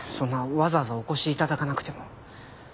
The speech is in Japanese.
わざわざお越し頂かなくても。